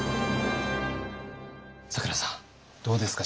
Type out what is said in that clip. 咲楽さんどうですか？